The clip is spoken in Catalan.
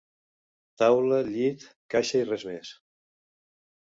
Taula, llit, caixa i res més